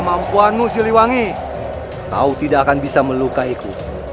kemampuanmu siliwangi kau tidak akan bisa melukaiku